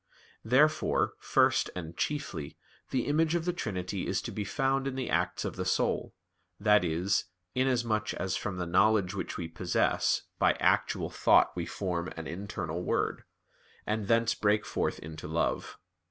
Therefore, first and chiefly, the image of the Trinity is to be found in the acts of the soul, that is, inasmuch as from the knowledge which we possess, by actual thought we form an internal word; and thence break forth into love.